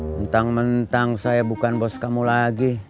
mentang mentang saya bukan bos kamu lagi